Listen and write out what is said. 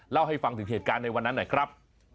เล่าให้ฟังถึงเหตุการณ์ในวันนั้นหน่อยครับ